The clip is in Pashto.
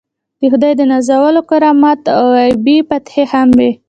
د خدای د نازولو کرامات او غیبي فتحې هم وي.